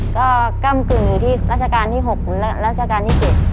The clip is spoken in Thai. ก็กล้ามกึหนือที่รัชการที่หกรัชการที่เจ็ด